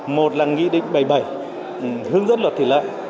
một là nghị định bảy mươi bảy hướng dẫn luật thủy lợi